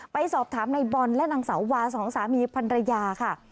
ไปสอบถามในบอลและนางสาววาสองสามีพันรยาค่ะ